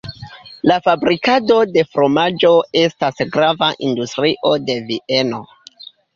La fabrikado de fromaĝo estas grava industrio de Vieno.